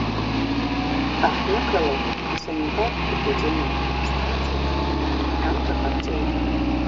Аҳҭнықалақь Асанитартә Епидиемиатә Станциа аҿы аҳәамҭа ҟарҵеит…